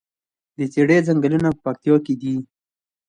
د څیړۍ ځنګلونه په پکتیا کې دي؟